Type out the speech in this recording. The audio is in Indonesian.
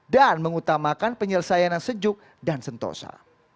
dan mengutamakan penyelesaian yang sejuk dan sentosa